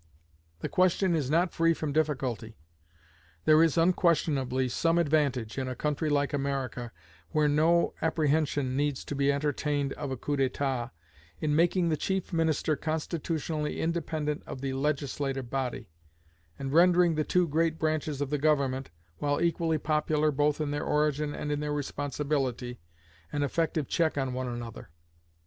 The question is not free from difficulty. There is unquestionably some advantage, in a country like America, where no apprehension needs be entertained of a coup d'état, in making the chief minister constitutionally independent of the legislative body, and rendering the two great branches of the government, while equally popular both in their origin and in their responsibility, an effective check on one another.